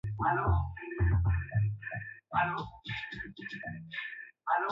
Jackson mwanamke wa kwanza mweusi kuteuliwa katika kiti cha mahakama ya juu zaidi ya taifa